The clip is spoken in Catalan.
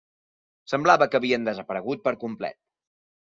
Semblava que havien desaparegut per complet.